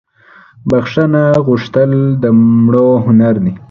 بخښنه غوښتل دمړو هنردي